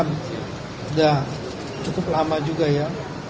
sudah cukup lama juga ya